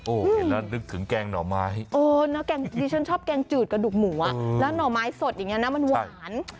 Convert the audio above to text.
เห็นแล้วนึกถึงแกงหน่อไม้ดิฉันชอบแกงจืดกระดูกหมูอ่ะแล้วหน่อไม้สดอย่างนี้นะมันหวาน